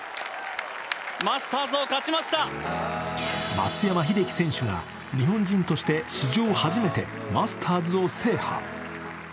松山英樹選手が日本人として史上初めてマスターズを制覇。